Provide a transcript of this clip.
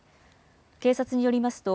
警察によりますと、